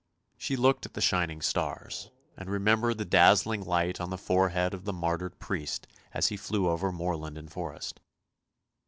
She looked at the shining stars, and remembered the dazzling light on the forehead of the martyred priest as he flew over moorland and forest.